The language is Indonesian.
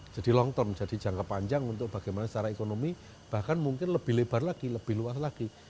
jadi long term jadi jangka panjang untuk bagaimana secara ekonomi bahkan mungkin lebih lebar lagi lebih luas lagi